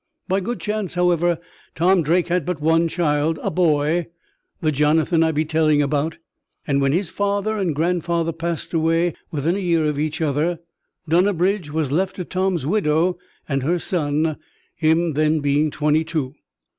By good chance, however, Tom Drake had but one child a boy the Jonathan as I be telling about; and when his father and grandfather passed away, within a year of each other, Dunnabridge was left to Tom's widow and her son, him then being twenty two.